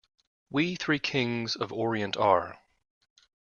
We three Kings of Orient are.